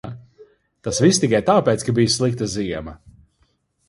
Tas viss tikai tāpēc, ka bija slikta ziema.